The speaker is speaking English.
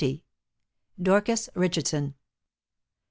DORCAS RICHARDSON.